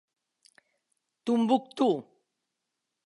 Tombouctou!